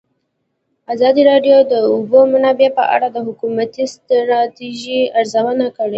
ازادي راډیو د د اوبو منابع په اړه د حکومتي ستراتیژۍ ارزونه کړې.